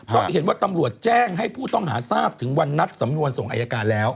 เพราะเห็นว่าตำรวจแจ้งให้ผู้ต้องหาทราบถึงวันนัดสำนวนส่งอายการแล้ว